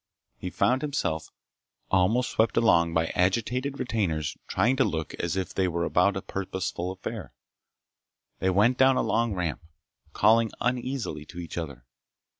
He found himself almost swept along by agitated retainers trying to look as if they were about a purposeful affair. They went down a long ramp, calling uneasily to each other.